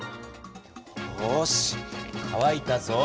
よしかわいたぞ！